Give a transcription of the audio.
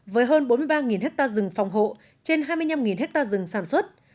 với hơn bốn mươi ba hectare rừng phòng hộ trên hai mươi năm hectare rừng sản xuất